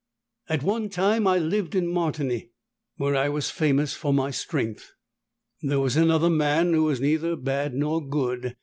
At one time, I lived in Martigny, where I was famous for my strength. There was another man who was neither bad nor good.